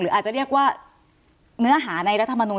อาจจะเรียกว่าเนื้อหาในรัฐมนูล